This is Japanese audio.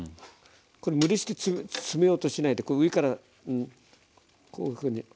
これ無理して詰めようとしないで上からこういうふうに押さえ込んで。